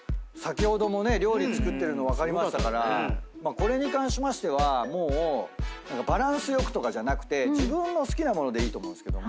これに関しましてはもうバランス良くとかじゃなくて自分の好きな物でいいと思うんですけども。